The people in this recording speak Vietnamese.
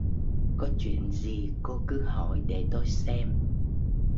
Có chuyện gì cô cứ hỏi để tôi xem